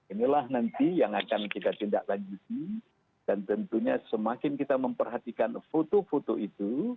inilah nanti yang akan kita tindak lanjuti dan tentunya semakin kita memperhatikan foto foto itu